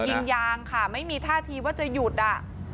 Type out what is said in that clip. ยิงยางค่ะไม่มีท่าทีว่าจะหยุดอ่ะ